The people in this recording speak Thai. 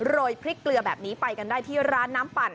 ยพริกเกลือแบบนี้ไปกันได้ที่ร้านน้ำปั่น